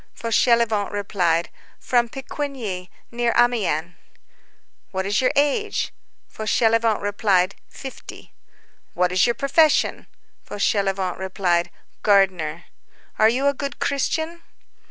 Fauchelevent replied:— "From Picquigny, near Amiens." "What is your age?" Fauchelevent replied:— "Fifty." "What is your profession?" Fauchelevent replied:— "Gardener." "Are you a good Christian?"